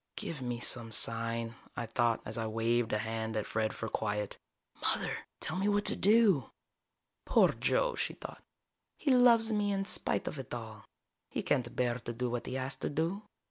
Give me some sign, I thought, as I waved a hand at Fred for quiet. Mother, tell me what to do! Poor Joe, she thought. _He loves me in spite of it all. He can't bear to do what he has to do.